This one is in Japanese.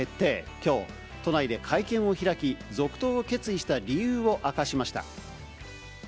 きょう、都内で会見を開き、続投を決意した理由を明かしました。